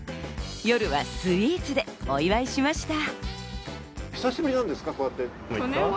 夜はスイーツでお祝いしました。